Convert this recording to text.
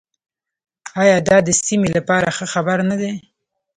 آیا دا د سیمې لپاره ښه خبر نه دی؟